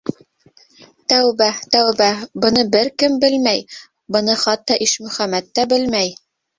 Тәүбә, тәүбә... быны бер кем белмәй, быны хатта Ишмөхәмәт тә белмәй!